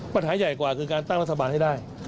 ปัญหาใหญ่กว่าคือการตั้งรัฐบาลให้ได้